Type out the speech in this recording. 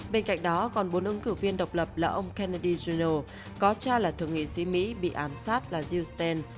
bên cạnh đó còn bốn ứng cử viên độc lập là ông kennedy jr có cha là thượng nghị sĩ mỹ bị ám sát là jill sten